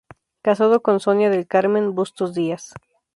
Casado con Sonia del Carmen Bustos Díaz.